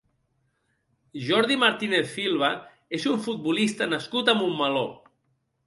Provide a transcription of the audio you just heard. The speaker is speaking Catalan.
Jordi Martínez Filva és un futbolista nascut a Montmeló.